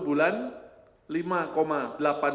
tiga bulan enam dua puluh persen